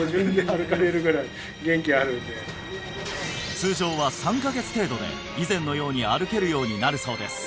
通常は３カ月程度で以前のように歩けるようになるそうです